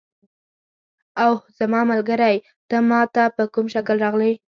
اوه زما ملګری، ته ما ته په کوم شکل راغلې؟